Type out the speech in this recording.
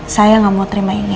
saya nggak mau terima ini